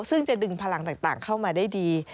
ซึ่งจะดึงพลังต่างเข้ามาได้ดี